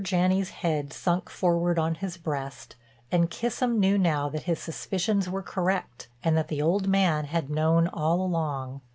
Janney's head sunk forward on his breast, and Kissam knew now that his suspicions were correct and that the old man had known all along.